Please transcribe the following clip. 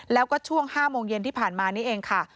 แล้วก็ช่วง๕โมงเย็นที่ผ่านมานี่เองค่ะ